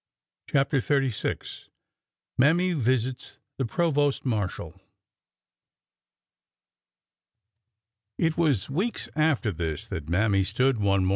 CHAPTER XXXVI MAMMY VISITS THE PROVOST MARSHAL I T was weeks after this that Mammy stood one mori.